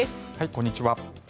こんにちは。